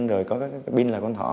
rồi có cái pin là con thỏ